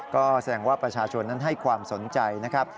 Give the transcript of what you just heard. ก็แสดงว่าประชาชนนั้นให้ความสนใจนะครับ